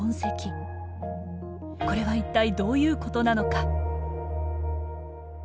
これは一体どういうことなのか。